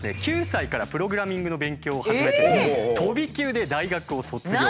９歳からプログラミングの勉強を始めて飛び級で大学を卒業。